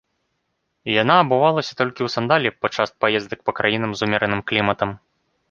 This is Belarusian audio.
Яна абувалася толькі ў сандалі падчас паездак па краінам з умераным кліматам.